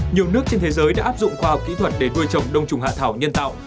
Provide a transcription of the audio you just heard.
nhiều nước trên thế giới đã áp dụng khoa học kỹ thuật để nuôi trồng đông trùng hạ thảo nhân tạo